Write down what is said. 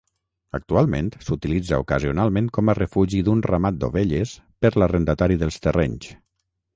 Actualment s'utilitza ocasionalment com a refugi d'un ramat d'ovelles per l'arrendatari dels terrenys.